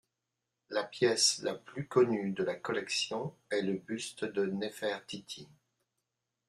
La pièce la plus connue de la collection est le buste de Néfertiti.